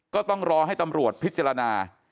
ก็ต้องรอให้ตำรวจพิจารณา